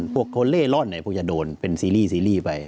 พวกเถาเล่หล่อหน่อยพวกจะโดนเป็นซีรีส์ไป